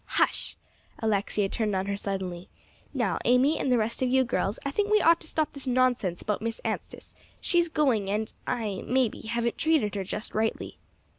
"Hush!" Alexia turned on her suddenly. "Now, Amy, and the rest of you girls, I think we ought to stop this nonsense about Miss Anstice; she's going, and I, maybe, haven't treated her just rightly."